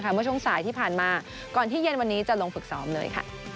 เมื่อช่วงสายที่ผ่านมาก่อนที่เย็นวันนี้จะลงฝึกซ้อมเลย